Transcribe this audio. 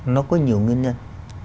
nó có nhiều nguyên nhân